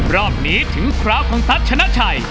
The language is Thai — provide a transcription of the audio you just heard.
รอบนี้ถึงคราวของตั๊สชนะใจ